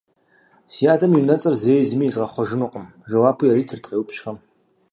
- Си адэм и унэцӀэр зэи зыми езгъэхъуэжынукъым, – жэуапу яритырт къеупщӀхэм.